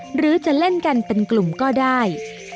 หรือจะเล่นกันเป็นกลุ่มก็ได้